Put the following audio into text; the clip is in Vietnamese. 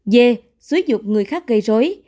d xúi dục người khác gây rối